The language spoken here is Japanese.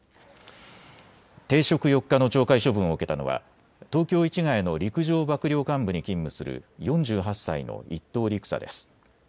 停職４日の懲戒処分を受けたのは東京市谷の陸上幕僚監部に勤務する４８歳の１等陸佐です。